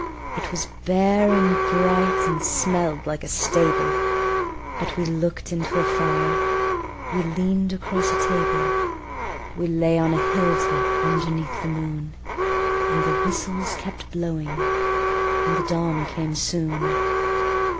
It was bare and bright, and smelled like a stable But we looked into a fire, we leaned across a table, We lay on a hilltop underneath the moon; And the whistles kept blowing, and the dawn came soon.